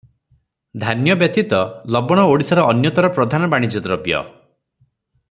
ଧାନ୍ୟ ବ୍ୟତୀତ ଲବଣ ଓଡିଶାର ଅନ୍ୟତର ପ୍ରଧାନ ବାଣିଜ୍ୟଦ୍ରବ୍ୟ ।